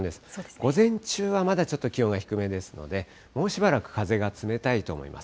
午前中はまだちょっと気温が低めですので、もうしばらく風が冷たいと思います。